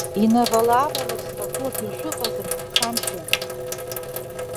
Инавала-аавалар зҭаху аӡәыр шәыҟазар, шәыԥхамшьан.